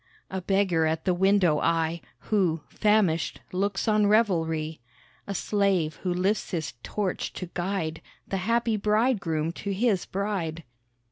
A beggar at the window I, Who, famished, looks on revelry; A slave who lifts his torch to guide The happy bridegroom to his bride.